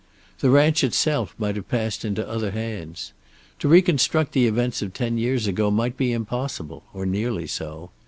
The ranch itself might have passed into other hands. To reconstruct the events of ten years ago might be impossible, or nearly so.